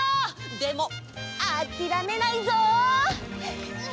でもあきらめないぞ！